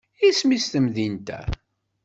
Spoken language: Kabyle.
Isem-is temdint-a?